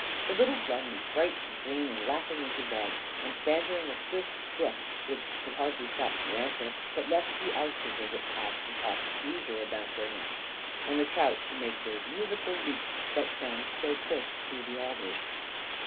The little glen was bright, and green, and laughing into bud, and bantering a swift brook, which could hardly stop to answer, but left the ousels as it passed to talk at leisure about their nests, and the trout to make those musical leaps that sound so crisp through the alders.